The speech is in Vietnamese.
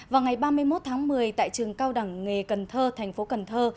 vào ngày ba mươi một tháng một mươi tại trường cao đẳng nghề cần thơ thành phố cần thơ